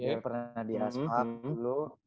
yang pernah di asphalt dulu